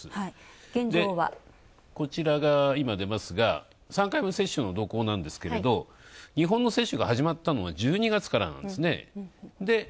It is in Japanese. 現行はこちらが、今、出ますが、３回目接種の動向なんですが、日本の接種が始まったのが１２月からなんですね。